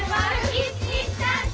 １２３４！